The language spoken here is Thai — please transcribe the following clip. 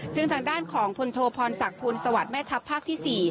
ซึ่งทางด้านของพลโทพรศักดิ์สวัสดิ์แม่ทัพภาคที่๔